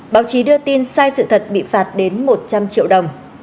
báo chí đưa tin sai sự thật bị phạt đến một trăm linh triệu đồng